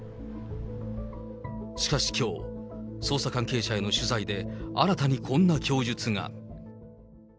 しかしきょう、捜査関係者への取材で新たにこんな供述が。